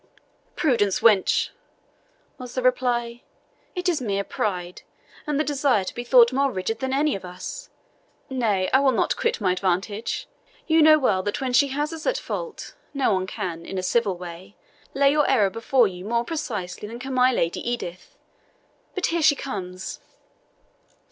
"Prudence, wench!" was the reply. "It is mere pride, and the desire to be thought more rigid than any of us. Nay, I will not quit my advantage. You know well that when she has us at fault no one can, in a civil way, lay your error before you more precisely than can my Lady Edith. But here she comes."